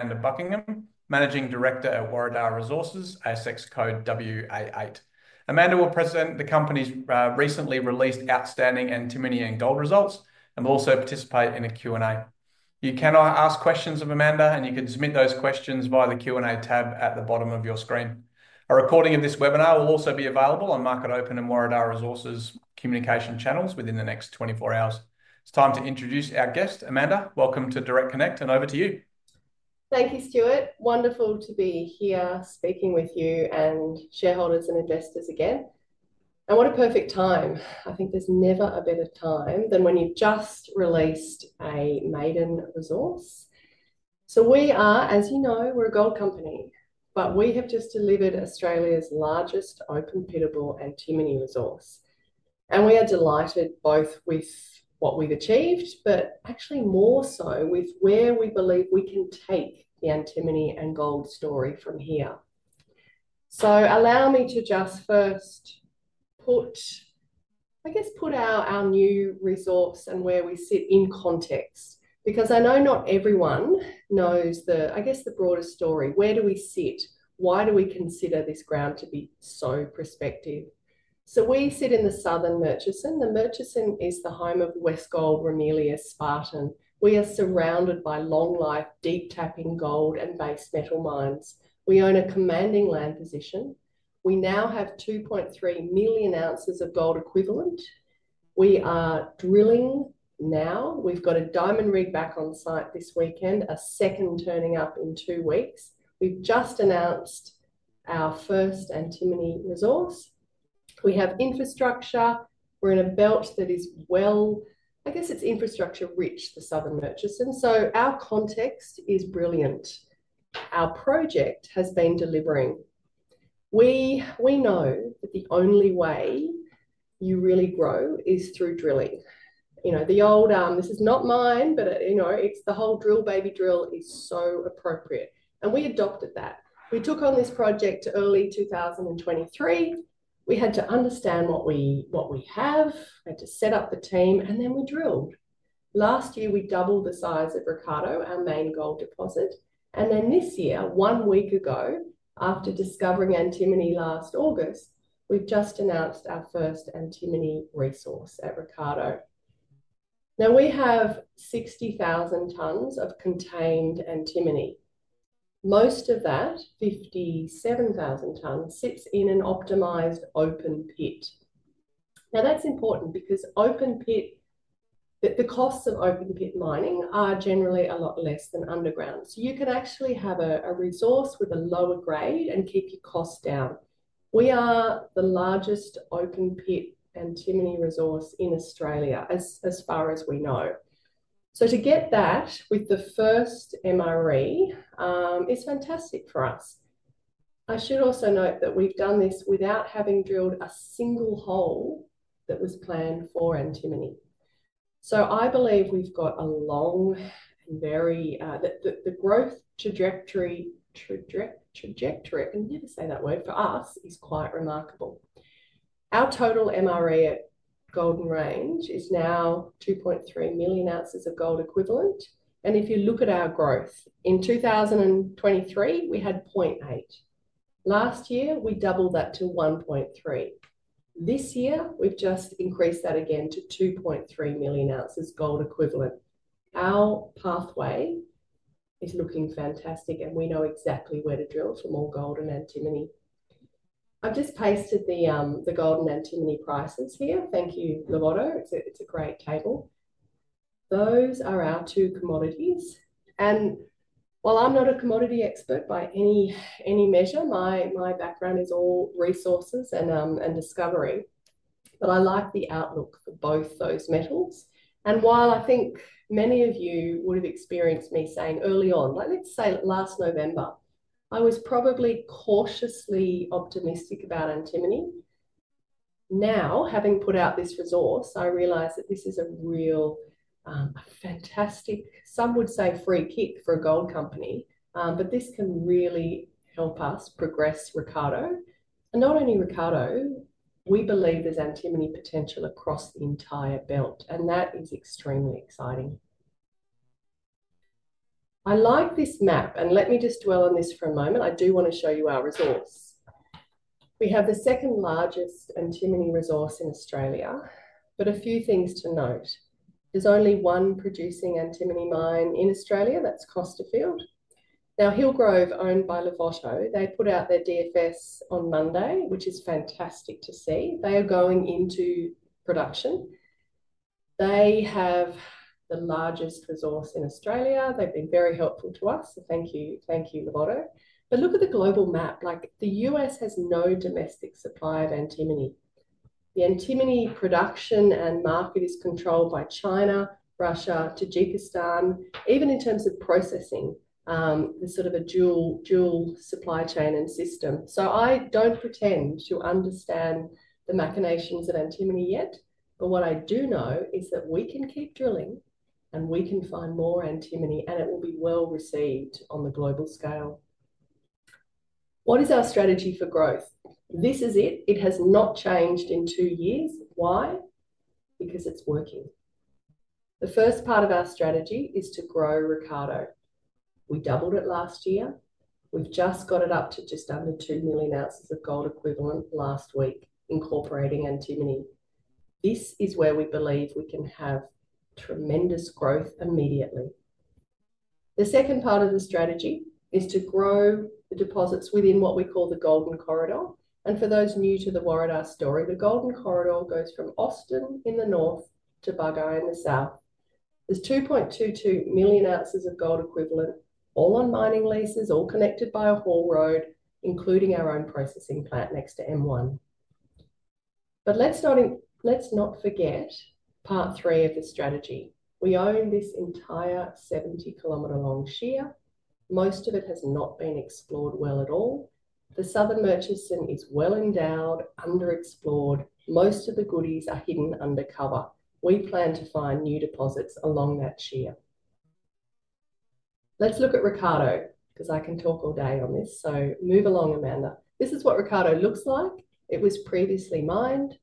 Amanda Buckingham, Managing Director at Warriedar Resources, ASX code WA8. Amanda will present the company's recently released outstanding and 10 million gold results and will also participate in a Q&A. You can ask questions of Amanda, and you can submit those questions via the Q&A tab at the bottom of your screen. A recording of this webinar will also be available on Market Open and Warriedar Resources' communication channels within the next 24 hours. It's time to introduce our guest, Amanda. Welcome to Direct Connect, and over to you. Thank you, Stuart. Wonderful to be here speaking with you and shareholders and investors again. What a perfect time. I think there's never a better time than when you've just released a maiden resource. We are, as you know, we're a gold company, but we have just delivered Australia's largest open pittable antimony resource. We are delighted both with what we've achieved, but actually more so with where we believe we can take the antimony and gold story from here. Allow me to just first put, I guess, put our new resource and where we sit in context, because I know not everyone knows the, I guess, the broader story. Where do we sit? Why do we consider this ground to be so prospective? We sit in the southern Murchison. The Murchison is the home of Westgold, Ramelius, Spartan. We are surrounded by long-life, deep tapping gold and base metal mines. We own a commanding land position. We now have 2.3 million ounces of gold equivalent. We are drilling now. We've got a diamond rig back on site this weekend, a second turning up in two weeks. We've just announced our first antimony resource. We have infrastructure. We're in a belt that is, I guess it's infrastructure rich, the southern Murchison. Our context is brilliant. Our project has been delivering. We know that the only way you really grow is through drilling. You know, the old, this is not mine, but you know, it's the whole drill, baby drill is so appropriate. We adopted that. We took on this project early 2023. We had to understand what we have, had to set up the team, and then we drilled. Last year, we doubled the size of Ricciardo, our main gold deposit. This year, one week ago, after discovering antimony last August, we have just announced our first antimony resource at Ricciardo. Now we have 60,000 tons of contained antimony. Most of that, 57,000 tons, sits in an optimized open pit. That is important because open pit, the costs of open pit mining are generally a lot less than underground. You can actually have a resource with a lower grade and keep your costs down. We are the largest open pit antimony resource in Australia, as far as we know. To get that with the first MRE, it is fantastic for us. I should also note that we have done this without having drilled a single hole that was planned for antimony. I believe we've got a long, very, the growth trajectory, trajectory, I can never say that word for us, is quite remarkable. Our total MRE at Golden Range is now 2.3 million ounces of gold equivalent. If you look at our growth in 2023, we had 0.8. Last year, we doubled that to 1.3. This year, we've just increased that again to 2.3 million ounces gold equivalent. Our pathway is looking fantastic, and we know exactly where to drill for more gold and antimony. I've just pasted the gold and antimony prices here. Thank you, Livotto. It's a great table. Those are our two commodities. While I'm not a commodity expert by any measure, my background is all resources and discovery. I like the outlook for both those metals. While I think many of you would have experienced me saying early on, let's say last November, I was probably cautiously optimistic about antimony. Now, having put out this resource, I realize that this is a real fantastic, some would say free kick for a gold company, but this can really help us progress Ricciardo. Not only Ricciardo, we believe there's antimony potential across the entire belt, and that is extremely exciting. I like this map, and let me just dwell on this for a moment. I do want to show you our resource. We have the second largest antimony resource in Australia, but a few things to note. There's only one producing antimony mine in Australia, that's Costerfield. Now, Hillgrove, owned by Larvotto, they put out their DFS on Monday, which is fantastic to see. They are going into production. They have the largest resource in Australia. They've been very helpful to us. Thank you, Larvotto. Look at the global map. The U.S. has no domestic supply of antimony. The antimony production and market is controlled by China, Russia, Tajikistan, even in terms of processing, the sort of a dual supply chain and system. I don't pretend to understand the machinations of antimony yet, but what I do know is that we can keep drilling and we can find more antimony, and it will be well received on the global scale. What is our strategy for growth? This is it. It has not changed in two years. Why? Because it's working. The first part of our strategy is to grow Ricciardo. We doubled it last year. We've just got it up to just under 2 million ounces of gold equivalent last week, incorporating antimony. This is where we believe we can have tremendous growth immediately. The second part of the strategy is to grow the deposits within what we call the Golden Corridor. For those new to the Warriedar story, the Golden Corridor goes from Austin in the north to Bugger in the south. There are 2.22 million ounces of gold equivalent, all on mining leases, all connected by a haul road, including our own processing plant next to M1. Let's not forget part three of the strategy. We own this entire 70 km long shear. Most of it has not been explored well at all. The southern Murchison is well endowed, underexplored. Most of the goodies are hidden under cover. We plan to find new deposits along that shear. Let's look at Ricciardo, because I can talk all day on this. Move along, Amanda. This is what Ricciardo looks like. It was previously mined.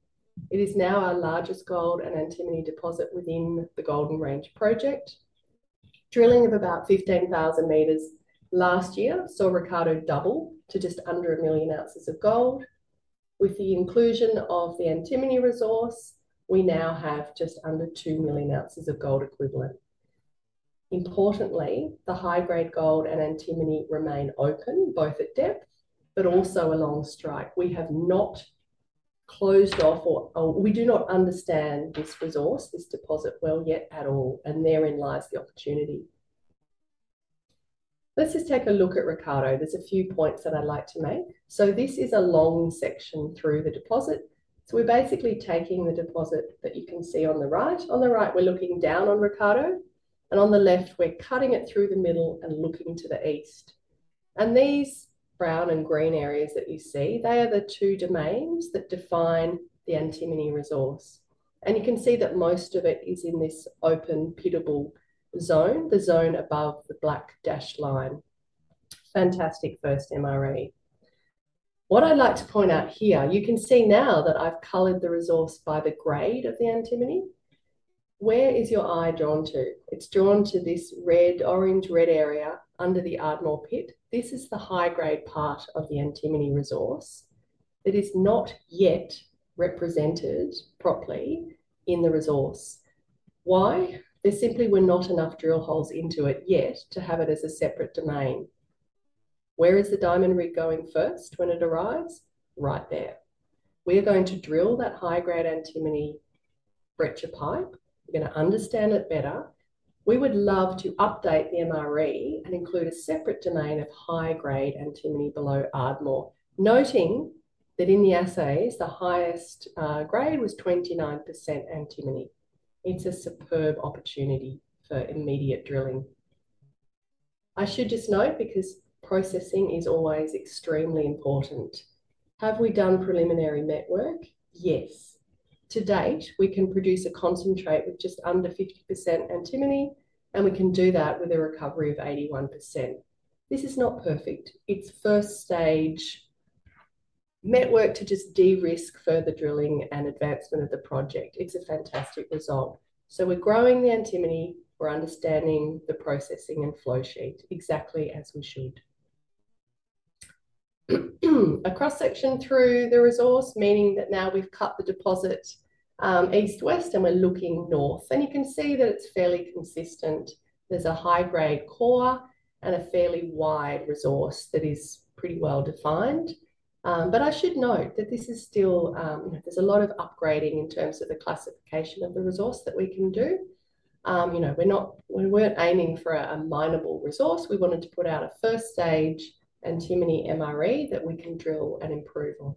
It is now our largest gold and antimony deposit within the Golden Range project. Drilling of about 15,000 m last year saw Ricciardo double to just under 1 million ounces of gold. With the inclusion of the antimony resource, we now have just under 2 million ounces of gold equivalent. Importantly, the high-grade gold and antimony remain open, both at depth, but also along strike. We have not closed off, or we do not understand this resource, this deposit well yet at all, and therein lies the opportunity. Let's just take a look at Ricciardo. There's a few points that I'd like to make. This is a long section through the deposit. We're basically taking the deposit that you can see on the right. On the right, we're looking down on Ricciardo. On the left, we're cutting it through the middle and looking to the east. These brown and green areas that you see, they are the two domains that define the antimony resource. You can see that most of it is in this open pittable zone, the zone above the black dashed line. Fantastic first MRE. What I'd like to point out here, you can see now that I've colored the resource by the grade of the antimony. Where is your eye drawn to? It's drawn to this red, orange-red area under the Ardmore pit. This is the high-grade part of the antimony resource. It is not yet represented properly in the resource. Why? There simply were not enough drill holes into it yet to have it as a separate domain. Where is the diamond rig going first when it arrives? Right there. We are going to drill that high-grade antimony breccia pipe. We're going to understand it better. We would love to update the MRE and include a separate domain of high-grade antimony below Ardmore, noting that in the assays, the highest grade was 29% antimony. It's a superb opportunity for immediate drilling. I should just note, because processing is always extremely important, have we done preliminary met work? Yes. To date, we can produce a concentrate with just under 50% antimony, and we can do that with a recovery of 81%. This is not perfect. It's first stage met work to just de-risk further drilling and advancement of the project. It's a fantastic result. We are growing the antimony. We are understanding the processing and flow sheet exactly as we should. A cross section through the resource, meaning that now we've cut the deposit east-west, and we're looking north. You can see that it's fairly consistent. There's a high-grade core and a fairly wide resource that is pretty well defined. I should note that this is still, there's a lot of upgrading in terms of the classification of the resource that we can do. We were not aiming for a minable resource. We wanted to put out a first-stage antimony MRE that we can drill and improve on.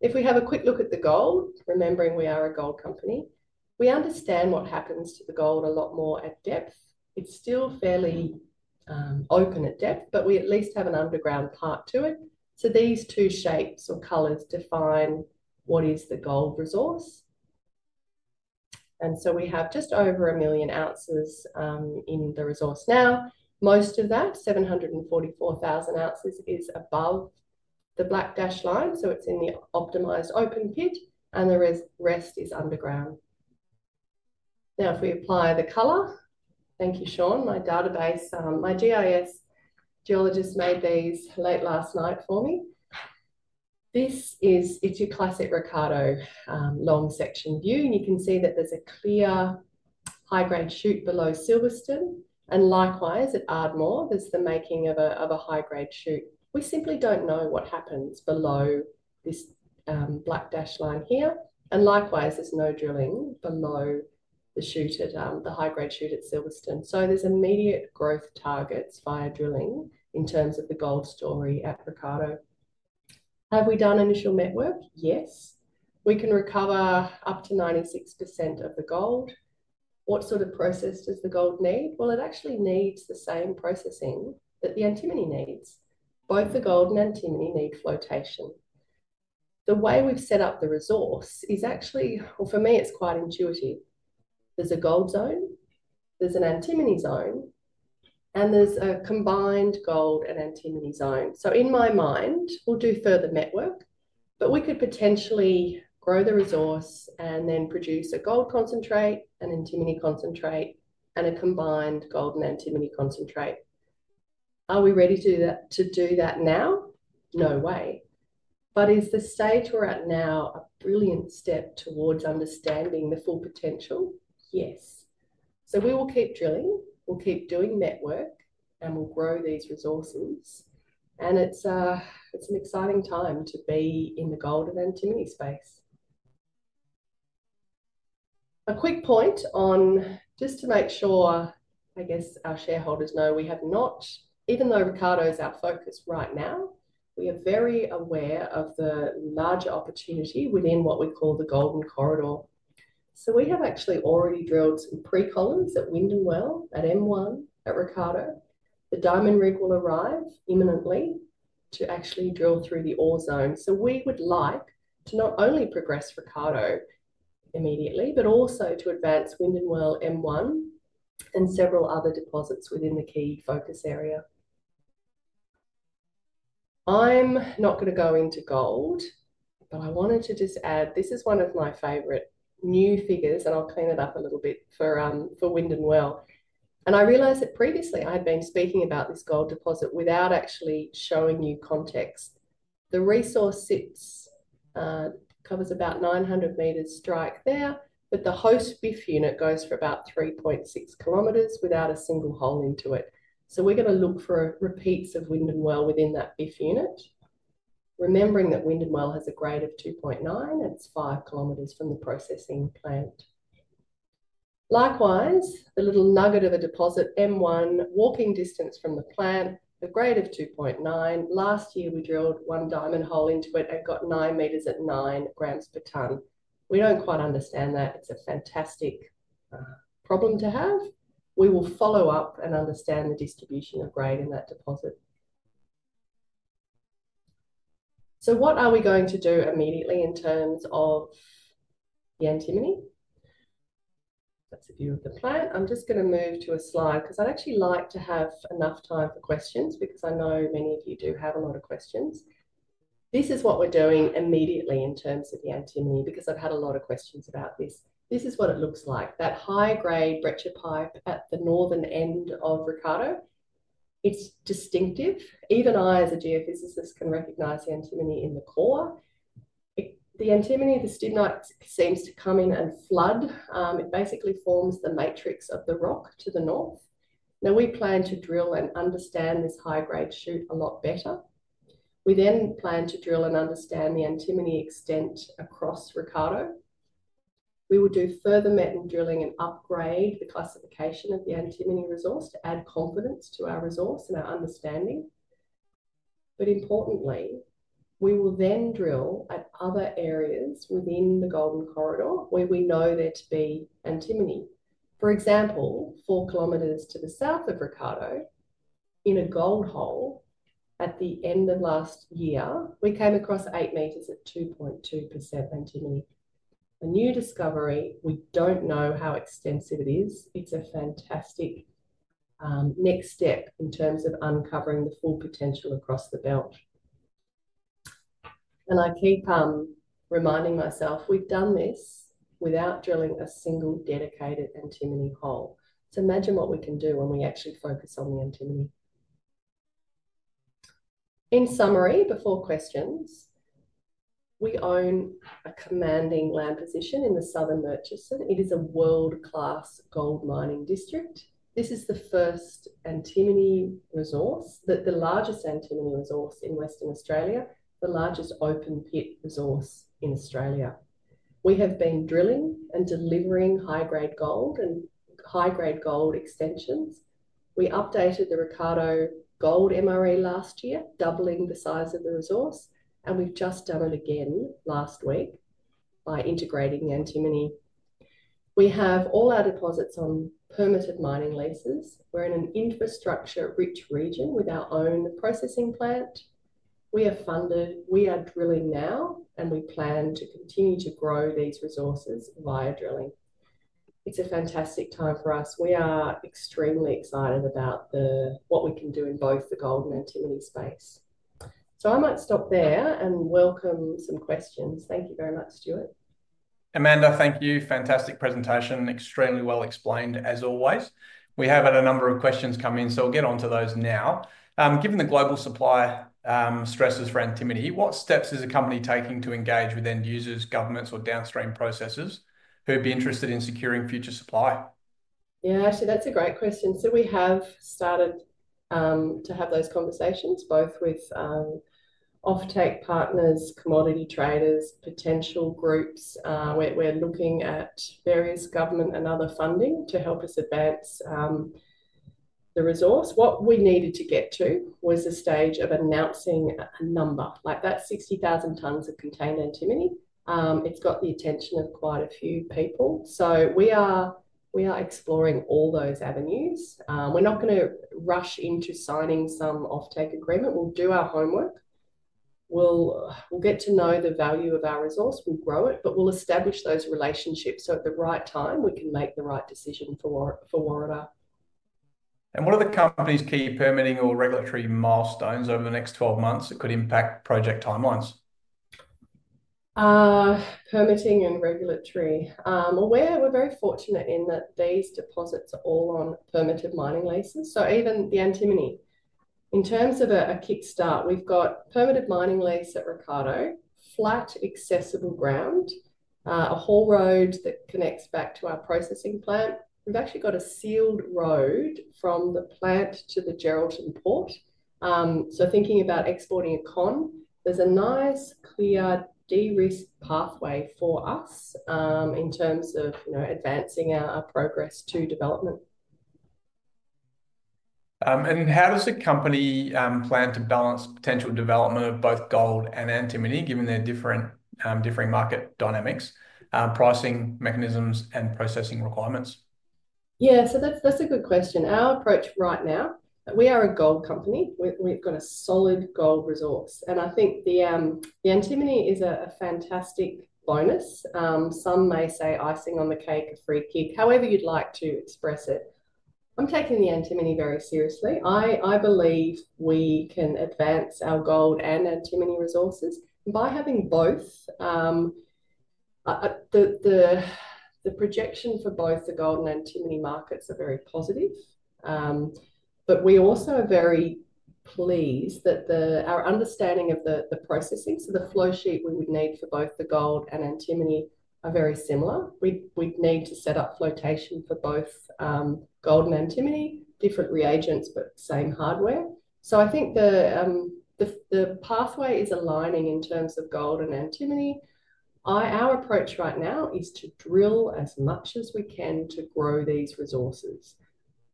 If we have a quick look at the gold, remembering we are a gold company, we understand what happens to the gold a lot more at depth. It's still fairly open at depth, but we at least have an underground part to it. These two shapes or colors define what is the gold resource. We have just over a million ounces in the resource now. Most of that, 744,000 ounces, is above the black dashed line. It's in the optimized open pit, and the rest is underground. If we apply the color, thank you, Sean. My database, my GIS geologist made these late last night for me. This is, it's your classic Ricciardo long-section view. You can see that there's a clear high-grade shoot below Silverstone. Likewise, at Ardmore, there's the making of a high-grade shoot. We simply do not know what happens below this black dashed line here. Likewise, there's no drilling below the shoot at the high-grade shoot at Silverstone. There are immediate growth targets via drilling in terms of the gold story at Ricciardo. Have we done initial network? Yes. We can recover up to 96% of the gold. What sort of process does the gold need? It actually needs the same processing that the antimony needs. Both the gold and antimony need flotation. The way we have set up the resource is actually, for me, it's quite intuitive. There's a gold zone. There's an antimony zone. There is a combined gold and antimony zone. In my mind, we'll do further network, but we could potentially grow the resource and then produce a gold concentrate, an antimony concentrate, and a combined gold and antimony concentrate. Are we ready to do that now? No way. Is the stage we're at now a brilliant step towards understanding the full potential? Yes. We will keep drilling. We'll keep doing network, and we'll grow these resources. It is an exciting time to be in the gold and antimony space. A quick point just to make sure, I guess our shareholders know we have not, even though Ricciardo is our focus right now, we are very aware of the larger opportunity within what we call the Golden Corridor. We have actually already drilled some pre-columns at Windinne Well, at M1, at Ricciardo. The diamond rig will arrive imminently to actually drill through the ore zone. So we would like to not only progress Ricciardo immediately, but also to advance Windinne Well, M1, and several other deposits within the key focus area. I'm not going to go into gold, but I wanted to just add, this is one of my favorite new figures, and I'll clean it up a little bit for Windinne Well. And I realized that previously I had been speaking about this gold deposit without actually showing you context. The resource covers about 900 m strike there, but the host BIF unit goes for about 3.6 km without a single hole into it. So we're going to look for repeats of Windinne Well within that BIF unit, remembering that Windinne Well has a grade of 2.9. It's 5 km from the processing plant. Likewise, the little nugget of a deposit, M1, walking distance from the plant, a grade of 2.9. Last year, we drilled one diamond hole into it and got 9 m at 9 g per ton. We do not quite understand that. It is a fantastic problem to have. We will follow up and understand the distribution of grade in that deposit. What are we going to do immediately in terms of the antimony? That is a view of the plant. I am just going to move to a slide because I would actually like to have enough time for questions because I know many of you do have a lot of questions. This is what we are doing immediately in terms of the antimony because I have had a lot of questions about this. This is what it looks like. That high-grade breccia pipe at the northern end of Ricciardo, it is distinctive. Even I, as a geophysicist, can recognize the antimony in the core. The antimony seems to come in and flood. It basically forms the matrix of the rock to the north. Now, we plan to drill and understand this high-grade shoot a lot better. We then plan to drill and understand the antimony extent across Ricciardo. We will do further metal drilling and upgrade the classification of the antimony resource to add confidence to our resource and our understanding. Importantly, we will then drill at other areas within the Golden Corridor where we know there to be antimony. For example, 4 km to the south of Ricciardo, in a gold hole at the end of last year, we came across 8 m at 2.2% antimony. A new discovery. We do not know how extensive it is. It's a fantastic next step in terms of uncovering the full potential across the belt. I keep reminding myself, we've done this without drilling a single dedicated antimony hole. Imagine what we can do when we actually focus on the antimony. In summary, before questions, we own a commanding land position in the southern Murchison. It is a world-class gold mining district. This is the first antimony resource, the largest antimony resource in Western Australia, the largest open pit resource in Australia. We have been drilling and delivering high-grade gold and high-grade gold extensions. We updated the Ricciardo Gold MRE last year, doubling the size of the resource. We have just done it again last week by integrating the antimony. We have all our deposits on permitted mining leases. We are in an infrastructure-rich region with our own processing plant. We are funded. We are drilling now, and we plan to continue to grow these resources via drilling. It's a fantastic time for us. We are extremely excited about what we can do in both the gold and antimony space. I might stop there and welcome some questions. Thank you very much, Stuart. Amanda, thank you. Fantastic presentation. Extremely well explained, as always. We have had a number of questions come in, so we'll get on to those now. Given the global supply stresses for antimony, what steps is the company taking to engage with end users, governments, or downstream processes who would be interested in securing future supply? Yeah, actually, that's a great question. We have started to have those conversations, both with off-take partners, commodity traders, potential groups. We're looking at various government and other funding to help us advance the resource. What we needed to get to was a stage of announcing a number. Like that's 60,000 tons of contained antimony. It's got the attention of quite a few people. So we are exploring all those avenues. We're not going to rush into signing some off-take agreement. We'll do our homework. We'll get to know the value of our resource. We'll grow it, but we'll establish those relationships so at the right time, we can make the right decision for Warriedar. What are the company's key permitting or regulatory milestones over the next 12 months that could impact project timelines? Permitting and regulatory. We are very fortunate in that these deposits are all on permitted mining leases. Even the antimony, in terms of a kickstart, we've got permitted mining lease at Ricciardo, flat, accessible ground, a whole road that connects back to our processing plant. We've actually got a sealed road from the plant to the Geraldton port. Thinking about exporting a con, there's a nice, clear, de-risked pathway for us in terms of advancing our progress to development. How does a company plan to balance potential development of both gold and antimony, given their differing market dynamics, pricing mechanisms, and processing requirements? Yeah, that's a good question. Our approach right now, we are a gold company. We've got a solid gold resource. I think the antimony is a fantastic bonus. Some may say icing on the cake, a free kick, however you'd like to express it. I'm taking the antimony very seriously. I believe we can advance our gold and antimony resources. By having both, the projection for both the gold and antimony markets are very positive. We also are very pleased that our understanding of the processing, so the flow sheet we would need for both the gold and antimony, are very similar. We'd need to set up flotation for both gold and antimony, different reagents, but same hardware. I think the pathway is aligning in terms of gold and antimony. Our approach right now is to drill as much as we can to grow these resources.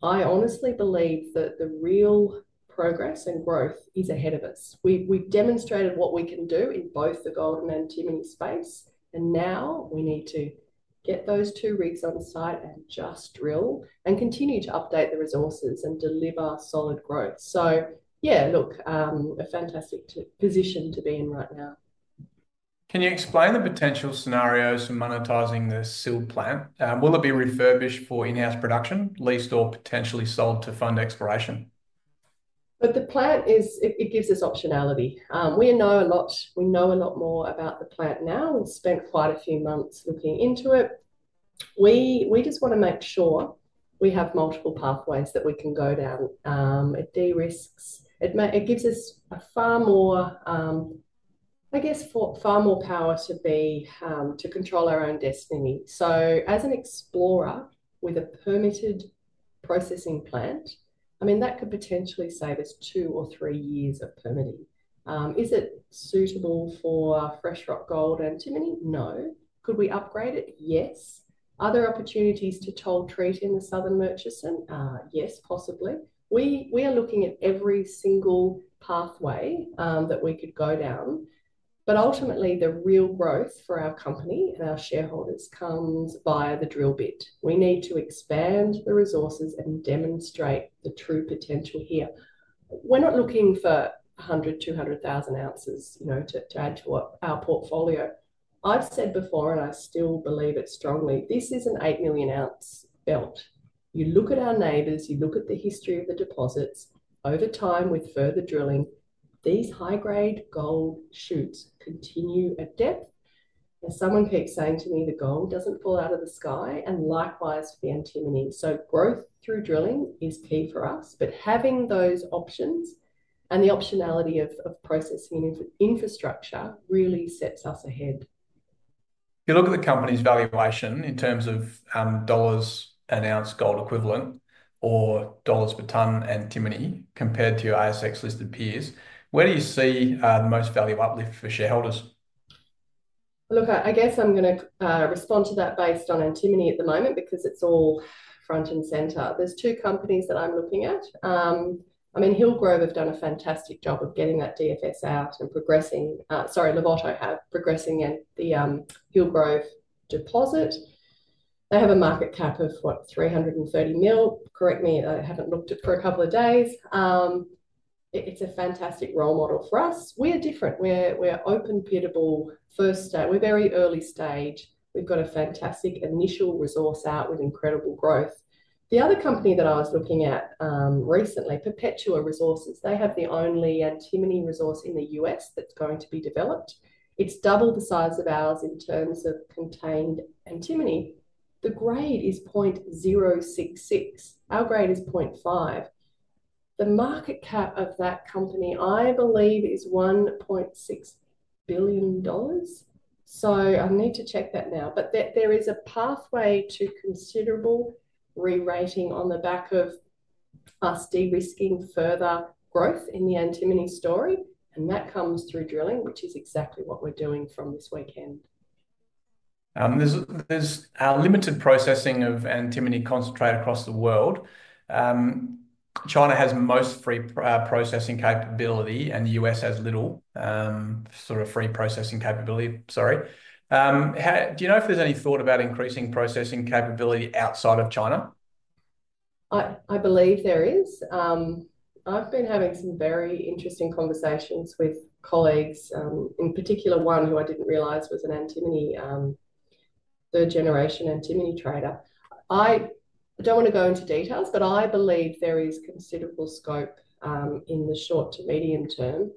I honestly believe that the real progress and growth is ahead of us. We've demonstrated what we can do in both the gold and antimony space. Now we need to get those two rigs on site and just drill and continue to update the resources and deliver solid growth. Yeah, look, a fantastic position to be in right now. Can you explain the potential scenarios for monetizing the sealed plant? Will it be refurbished for in-house production, leased, or potentially sold to fund exploration? The plant, it gives us optionality. We know a lot. We know a lot more about the plant now. We've spent quite a few months looking into it. We just want to make sure we have multiple pathways that we can go down. It de-risks. It gives us far more, I guess, far more power to control our own destiny. As an explorer with a permitted processing plant, I mean, that could potentially save us two or three years of permitting. Is it suitable for fresh rock gold and antimony? No. Could we upgrade it? Yes. Other opportunities to toll treat in the southern Murchison? Yes, possibly. We are looking at every single pathway that we could go down. Ultimately, the real growth for our company and our shareholders comes via the drill bit. We need to expand the resources and demonstrate the true potential here. We're not looking for 100, 200,000 ounces to add to our portfolio. I've said before, and I still believe it strongly, this is an 8 million ounce belt. You look at our neighbors, you look at the history of the deposits. Over time, with further drilling, these high-grade gold shoots continue at depth. Someone keeps saying to me, "The gold doesn't fall out of the sky," and likewise for the antimony. Growth through drilling is key for us. Having those options and the optionality of processing infrastructure really sets us ahead. If you look at the company's valuation in terms of dollars an ounce gold equivalent or dollars per ton antimony compared to ASX-listed peers, where do you see the most value uplift for shareholders? Look, I guess I'm going to respond to that based on antimony at the moment because it's all front and center. There are two companies that I'm looking at. I mean, Hillgrove have done a fantastic job of getting that DFS out and progressing—sorry, Larvotto have—progressing the Hillgrove deposit. They have a market cap of, what, $330 million. Correct me if I haven't looked at it for a couple of days. It's a fantastic role model for us. We are different. We're open pittable first stage. We're very early stage. We've got a fantastic initial resource out with incredible growth. The other company that I was looking at recently, Perpetua Resources, they have the only antimony resource in the U.S. that's going to be developed. It's double the size of ours in terms of contained antimony. The grade is 0.066%. Our grade is 0.5%. The market cap of that company, I believe, is $1.6 billion. I need to check that now. There is a pathway to considerable re-rating on the back of us de-risking further growth in the antimony story. That comes through drilling, which is exactly what we're doing from this weekend. There's limited processing of antimony concentrate across the world. China has most free processing capability, and the U.S. has little sort of free processing capability. Sorry. Do you know if there's any thought about increasing processing capability outside of China? I believe there is. I've been having some very interesting conversations with colleagues, in particular one who I didn't realize was a third-generation antimony trader. I don't want to go into details, but I believe there is considerable scope in the short to medium term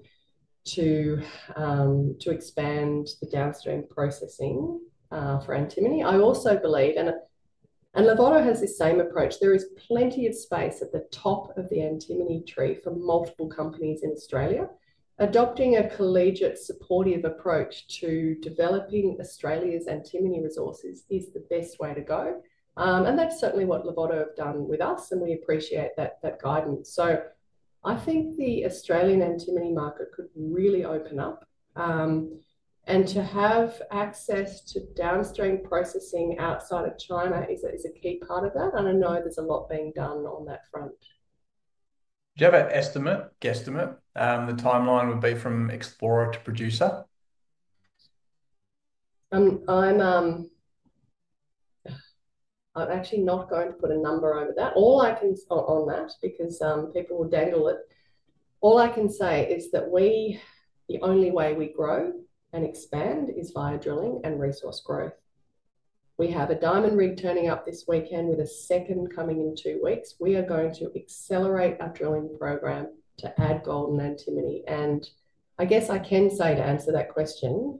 to expand the downstream processing for antimony. I also believe, and Larvotto has this same approach, there is plenty of space at the top of the antimony tree for multiple companies in Australia. Adopting a collegiate supportive approach to developing Australia's antimony resources is the best way to go. That is certainly what Larvotto have done with us, and we appreciate that guidance. I think the Australian antimony market could really open up. To have access to downstream processing outside of China is a key part of that. I know there is a lot being done on that front. Do you have an estimate, guesstimate, the timeline would be from explorer to producer? I'm actually not going to put a number over that. All I can say on that, because people will dangle it, all I can say is that the only way we grow and expand is via drilling and resource growth. We have a diamond rig turning up this weekend with a second coming in two weeks. We are going to accelerate our drilling program to add gold and antimony. I guess I can say to answer that question,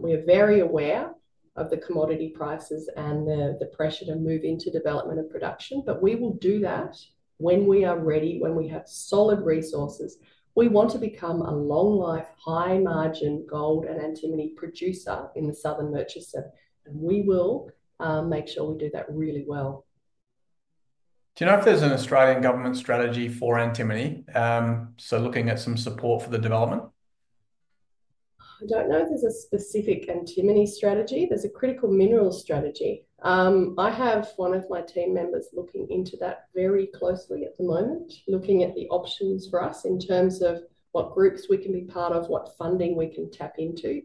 we are very aware of the commodity prices and the pressure to move into development and production, but we will do that when we are ready, when we have solid resources. We want to become a long-life, high-margin gold and antimony producer in the southern Murchison. We will make sure we do that really well. Do you know if there's an Australian government strategy for antimony? Looking at some support for the development? I don't know if there's a specific antimony strategy. There's a critical mineral strategy. I have one of my team members looking into that very closely at the moment, looking at the options for us in terms of what groups we can be part of, what funding we can tap into.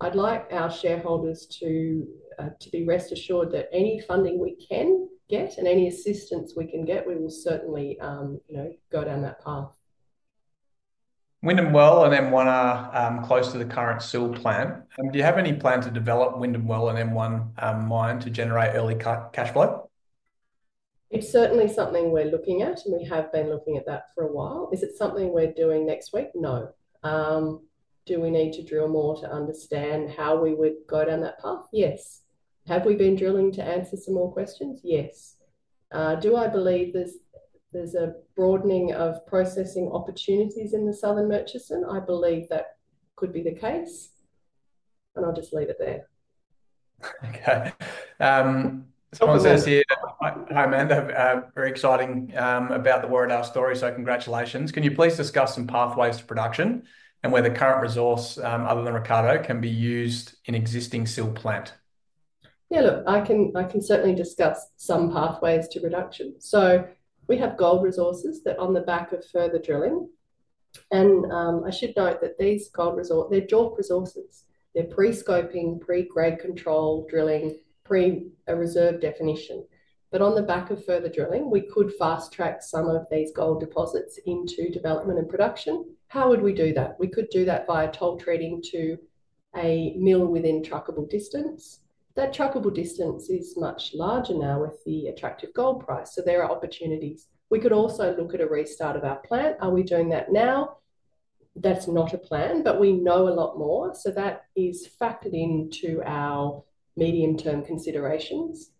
I'd like our shareholders to be rest assured that any funding we can get and any assistance we can get, we will certainly go down that path. Windinne Well and M1 are close to the current sealed plant. Do you have any plan to develop Windinne Well and M1 mine to generate early cash flow? It's certainly something we're looking at, and we have been looking at that for a while. Is it something we're doing next week? No. Do we need to drill more to understand how we would go down that path? Yes. Have we been drilling to answer some more questions? Yes. Do I believe there's a broadening of processing opportunities in the southern Murchison? I believe that could be the case. I'll just leave it there. Okay. Someone says here, "Hi, Amanda. Very exciting about the Warriedar story, so congratulations. Can you please discuss some pathways to production and where the current resource other than Ricciardo can be used in existing sealed plant?" Yeah, look, I can certainly discuss some pathways to production. We have gold resources that are on the back of further drilling. I should note that these gold resources, they're dwarf resources. They're pre-scoping, pre-grade control drilling, pre-reserve definition. On the back of further drilling, we could fast-track some of these gold deposits into development and production. How would we do that? We could do that via toll trading to a mill within truckable distance. That truckable distance is much larger now with the attractive gold price. There are opportunities. We could also look at a restart of our plant. Are we doing that now? That's not a plan, but we know a lot more. That is factored into our medium-term considerations.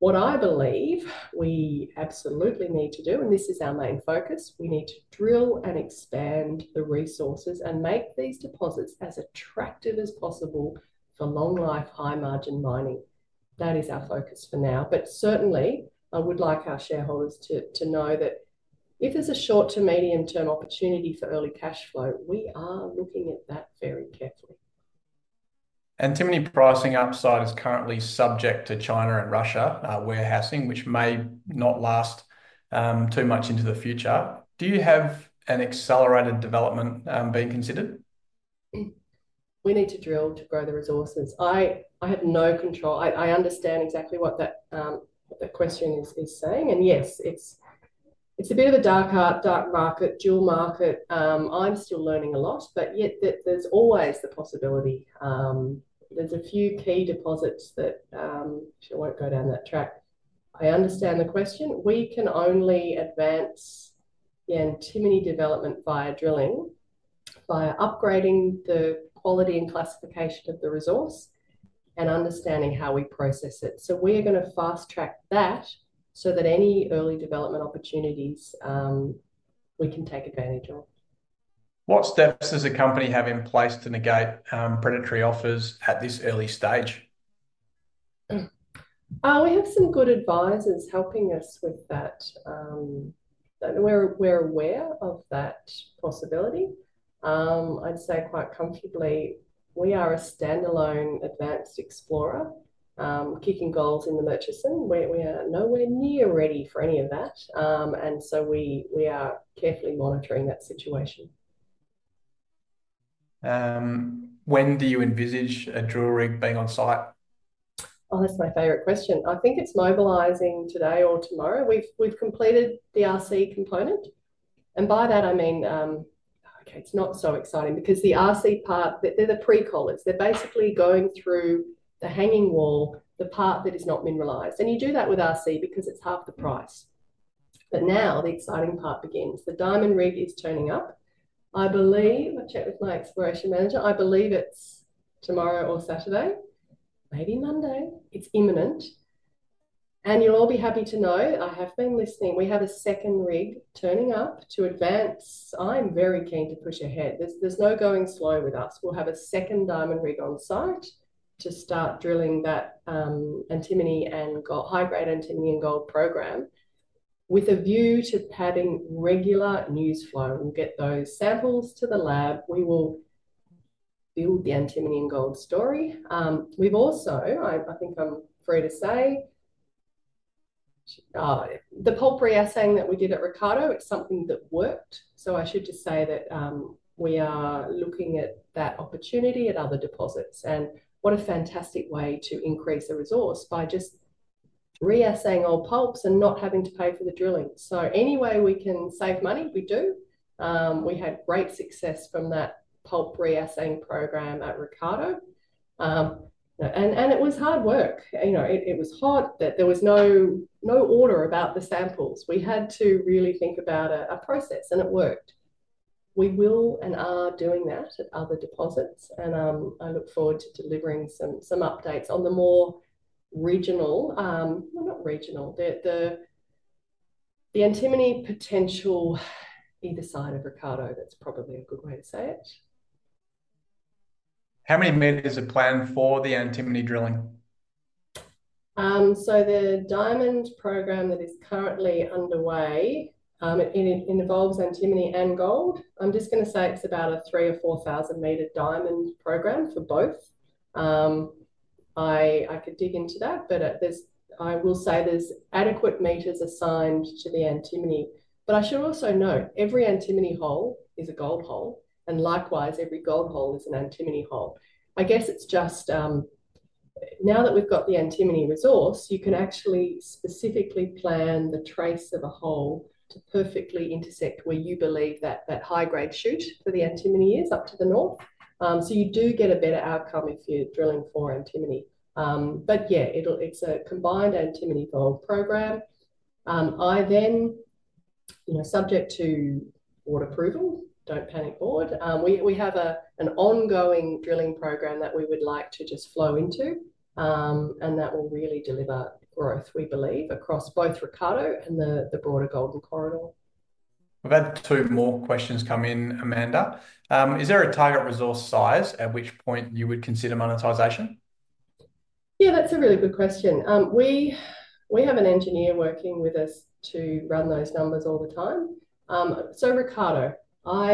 What I believe we absolutely need to do, and this is our main focus, we need to drill and expand the resources and make these deposits as attractive as possible for long-life, high-margin mining. That is our focus for now. Certainly, I would like our shareholders to know that if there's a short to medium-term opportunity for early cash flow, we are looking at that very carefully. Antimony pricing upside is currently subject to China and Russia warehousing, which may not last too much into the future. Do you have an accelerated development being considered? We need to drill to grow the resources. I have no control. I understand exactly what that question is saying. Yes, it's a bit of a dark market, dual market. I'm still learning a lot, but yet there's always the possibility. There's a few key deposits that actually won't go down that track. I understand the question. We can only advance the antimony development via drilling, via upgrading the quality and classification of the resource and understanding how we process it. We are going to fast-track that so that any early development opportunities we can take advantage of. What steps does a company have in place to negate predatory offers at this early stage? We have some good advisors helping us with that. We're aware of that possibility. I'd say quite comfortably, we are a standalone advanced explorer, kicking gold in the Murchison. We are nowhere near ready for any of that. We are carefully monitoring that situation. When do you envisage a drill rig being on site? Oh, that's my favorite question. I think it's mobilizing today or tomorrow. We've completed the RC component. And by that, I mean, okay, it's not so exciting because the RC part, they're the pre-callers. They're basically going through the hanging wall, the part that is not mineralized. You do that with RC because it's half the price. Now the exciting part begins. The diamond rig is turning up. I believe, I'll check with my exploration manager, I believe it's tomorrow or Saturday, maybe Monday. It's imminent. You'll all be happy to know I have been listening. We have a second rig turning up to advance. I'm very keen to push ahead. There's no going slow with us. We'll have a second diamond rig on site to start drilling that antimony and high-grade antimony and gold program with a view to padding regular news flow. We'll get those samples to the lab. We will build the antimony and gold story. We've also, I think I'm free to say, the pulp re-essaying that we did at Ricciardo, it's something that worked. I should just say that we are looking at that opportunity at other deposits. What a fantastic way to increase a resource by just re-essaying old pulps and not having to pay for the drilling. Any way we can save money, we do. We had great success from that pulp re-essaying program at Ricciardo. It was hard work. It was hot. There was no order about the samples. We had to really think about a process, and it worked. We will and are doing that at other deposits. I look forward to delivering some updates on the more regional, well, not regional, the antimony potential either side of Ricciardo. That is probably a good way to say it. How many meters are planned for the antimony drilling? The diamond program that is currently underway involves antimony and gold. I am just going to say it is about a 3,000-4,000 m diamond program for both. I could dig into that, but I will say there are adequate meters assigned to the antimony. I should also note every antimony hole is a gold hole. Likewise, every gold hole is an antimony hole. I guess it's just now that we've got the antimony resource, you can actually specifically plan the trace of a hole to perfectly intersect where you believe that high-grade shoot for the antimony is up to the north. You do get a better outcome if you're drilling for antimony. Yeah, it's a combined antimony gold program. I then, subject to board approval, don't panic board. We have an ongoing drilling program that we would like to just flow into. That will really deliver growth, we believe, across both Ricciardo and the broader Golden Corridor. We've had two more questions come in, Amanda. Is there a target resource size at which point you would consider monetization? Yeah, that's a really good question. We have an engineer working with us to run those numbers all the time. Ricciardo, there are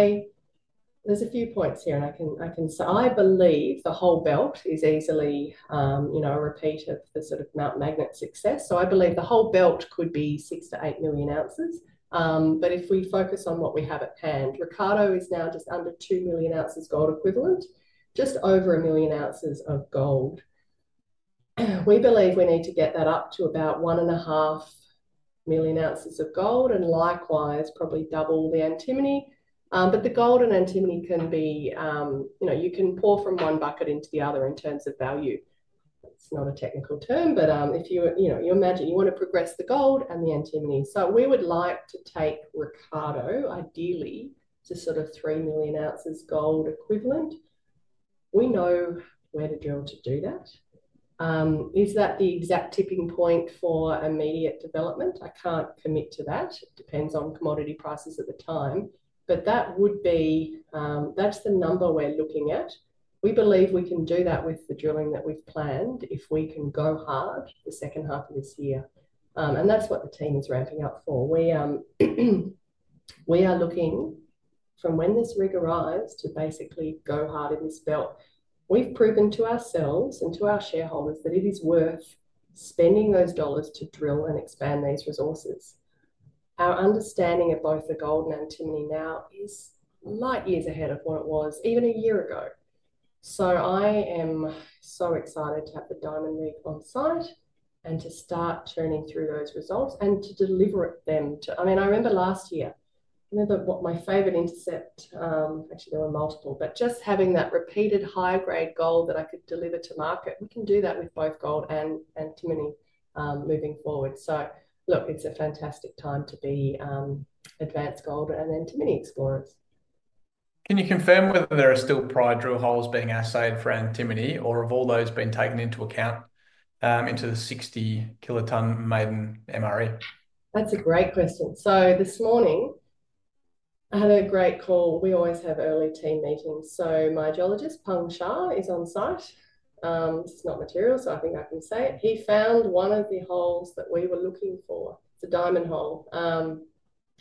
a few points here, and I can say I believe the whole belt is easily a repeat of the sort of Mount Magnet success. I believe the whole belt could be 6-8 million ounces. If we focus on what we have at hand, Ricciardo is now just under 2 million ounces gold equivalent, just over 1 million ounces of gold. We believe we need to get that up to about 1.5 million ounces of gold and likewise probably double the antimony. The gold and antimony can be, you can pour from one bucket into the other in terms of value. It is not a technical term, but if you imagine you want to progress the gold and the antimony. We would like to take Ricciardo, ideally to sort of 3 million ounces gold equivalent. We know where to drill to do that. Is that the exact tipping point for immediate development? I can't commit to that. It depends on commodity prices at the time. That would be the number we're looking at. We believe we can do that with the drilling that we've planned if we can go hard the second half of this year. That's what the team is ramping up for. We are looking from when this rig arrives to basically go hard in this belt. We've proven to ourselves and to our shareholders that it is worth spending those dollars to drill and expand these resources. Our understanding of both the gold and antimony now is light years ahead of what it was even a year ago. I am so excited to have the diamond rig on site and to start churning through those results and to deliver them. I mean, I remember last year, what my favorite intercept, actually there were multiple, but just having that repeated high-grade gold that I could deliver to market, we can do that with both gold and antimony moving forward. It's a fantastic time to be advanced gold and antimony explorers. Can you confirm whether there are still prior drill holes being assayed for antimony or have all those been taken into account into the 60,000-tonne maiden MRE? That's a great question. This morning, I had a great call. We always have early team meetings. My geologist, Pung Shah, is on site. It's not material, so I think I can say it. He found one of the holes that we were looking for. It's a diamond hole.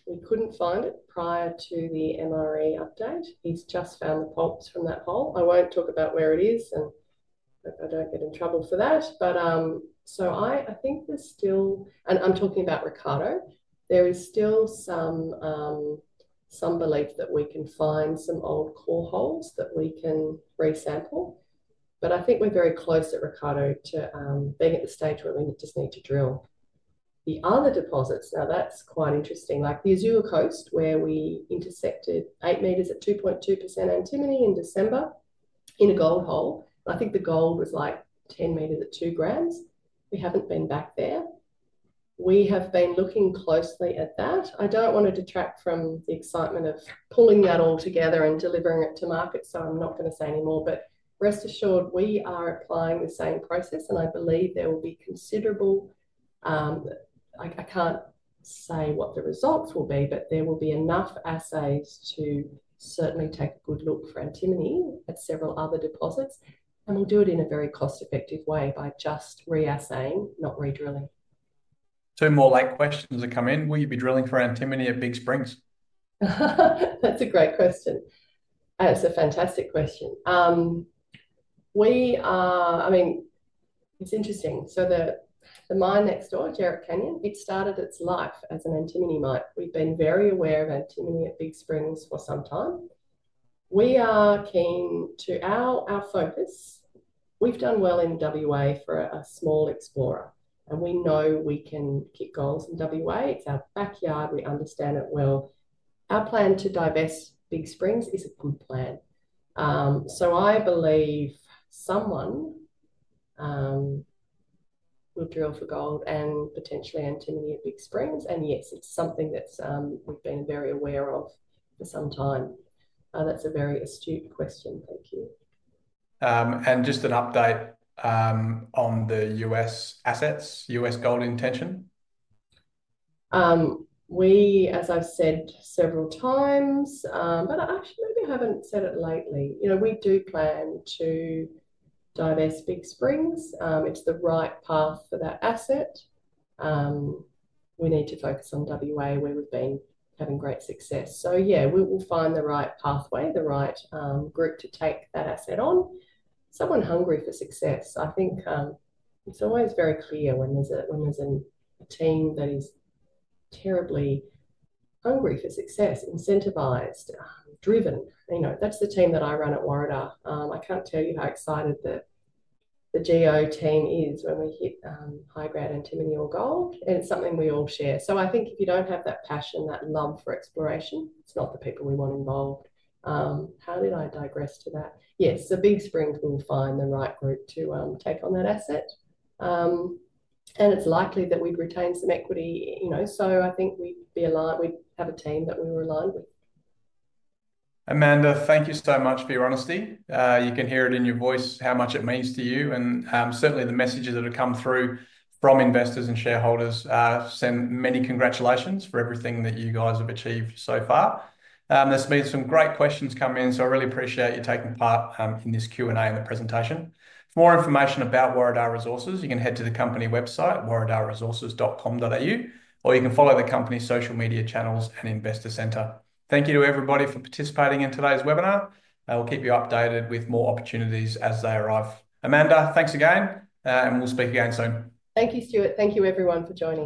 We couldn't find it prior to the MRE update. He's just found the pulps from that hole. I won't talk about where it is, and I don't get in trouble for that. I think there's still, and I'm talking about Ricciardo, there is still some belief that we can find some old core holes that we can resample. I think we're very close at Ricciardo to being at the stage where we just need to drill. The other deposits, now that's quite interesting, like the Azure Coast where we intersected 8 m at 2.2% antimony in December in a gold hole. I think the gold was like 10 m at 2 g. We haven't been back there. We have been looking closely at that. I don't want to detract from the excitement of pulling that all together and delivering it to market, so I'm not going to say any more. Rest assured, we are applying the same process, and I believe there will be considerable, I can't say what the results will be, but there will be enough assays to certainly take a good look for antimony at several other deposits. We'll do it in a very cost-effective way by just re-assaying, not redrilling. Two more late questions have come in. Will you be drilling for antimony at Big Springs? That's a great question. It's a fantastic question. I mean, it's interesting. The mine next door, Jerritt Canyon, started its life as an antimony mine. We've been very aware of antimony at Big Springs for some time. We are keen to our focus. We've done well in WA for a small explorer. We know we can kick gold in WA. It's our backyard. We understand it well. Our plan to divest Big Springs is a good plan. I believe someone will drill for gold and potentially antimony at Big Springs. Yes, it's something that we've been very aware of for some time. That's a very astute question. Thank you. Just an update on the U.S. assets, U.S. gold intention? As I've said several times, but actually, maybe I haven't said it lately. We do plan to divest Big Springs. It's the right path for that asset. We need to focus on WA where we've been having great success. We'll find the right pathway, the right group to take that asset on. Someone hungry for success. I think it's always very clear when there's a team that is terribly hungry for success, incentivized, driven. That's the team that I run at Warriedar. I can't tell you how excited the GO team is when we hit high-grade antimony or gold. And it's something we all share. I think if you don't have that passion, that love for exploration, it's not the people we want involved. How did I digress to that? Yes, Big Springs, we'll find the right group to take on that asset. It's likely that we'd retain some equity. I think we'd be aligned. We'd have a team that we were aligned with. Amanda, thank you so much for your honesty. You can hear it in your voice how much it means to you. Certainly, the messages that have come through from investors and shareholders send many congratulations for everything that you guys have achieved so far. There's been some great questions come in, so I really appreciate you taking part in this Q&A and the presentation. For more information about Warriedar Resources, you can head to the company website, warriedarresources.com.au, or you can follow the company's social media channels and investor centre. Thank you to everybody for participating in today's webinar. We'll keep you updated with more opportunities as they arrive. Amanda, thanks again, and we'll speak again soon. Thank you, Stuart. Thank you, everyone, for joining.